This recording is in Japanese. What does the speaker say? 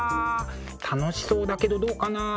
楽しそうだけどどうかなあ？